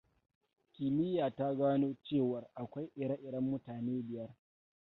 Kimiyya ta gano cewar akwai ire-iren mutane biyar.